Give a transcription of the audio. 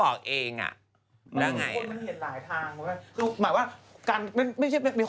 แล้วก็บอก